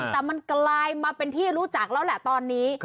แต่มันกลายมาเป็นที่รู้จักแล้วแหละตอนนี้